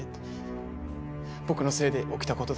僕のせいで起きた事だし。